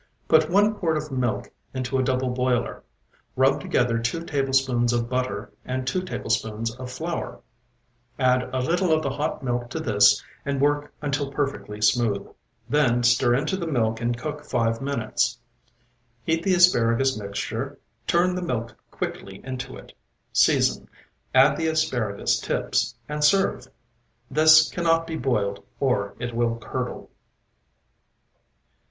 Put one quart of milk into a double boiler; rub together two tablespoonfuls of butter and two tablespoonfuls of flour. Add a little of the hot milk to this and work until perfectly smooth, then stir into the milk and cook five minutes. Heat the asparagus mixture, turn the milk quickly into it, season, add the asparagus tips, and serve. This cannot be boiled or it will curdle.